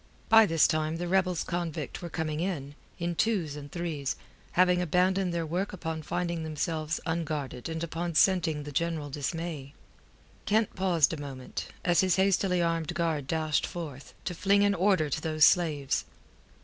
By this time the rebels convict were coming in, in twos and threes, having abandoned their work upon finding themselves unguarded and upon scenting the general dismay. Kent paused a moment, as his hastily armed guard dashed forth, to fling an order to those slaves.